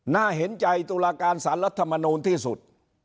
น่าเห็นใจตุลาการสารรัฐมนูลที่สุด